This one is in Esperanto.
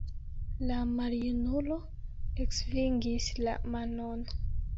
La maljunulo eksvingis la manon.